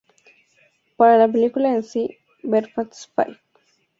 Para la película en sí, ver Fast Five.